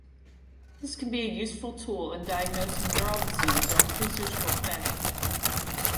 This can be a useful tool in diagnosing neural disease or in pre-surgical planning.